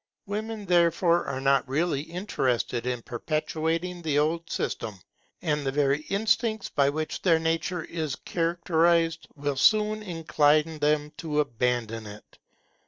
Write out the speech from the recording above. Women, therefore, are not really interested in perpetuating the old system; and the very instincts by which their nature is characterized, will soon incline them to abandon it.